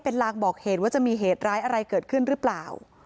เป็นลางบอกเหตุว่าจะมีเหตุร้ายอะไรเกิดขึ้นหรือเปล่า